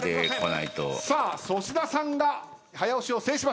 さあ粗品さんが早押しを制しました。